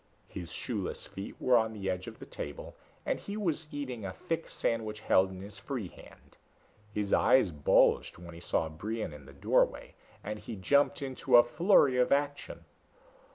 His shoeless feet were on the edge of the table, and he was eating a thick sandwich held in his free hand. His eyes bulged when he saw Brion in the doorway and he jumped into a flurry of action.